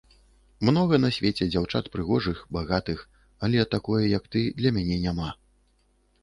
Многа на свеце дзяўчат прыгожых, багатых, але такое, як ты, для мяне няма.